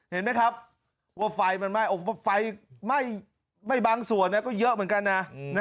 เห็นมั้ยครับว่าไฟไม่บางส่วนนะก็เยอะเหมือนกันนะ